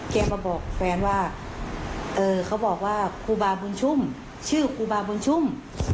แกมาบอกแฟนว่าเขาบอกว่าครูบาบุญชุ่มชื่อครูบาบุญชุ่ม